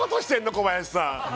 小林さん